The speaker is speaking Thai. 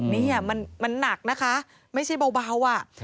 นี่มันหนักนะคะไม่ใช่เบาอ่ะ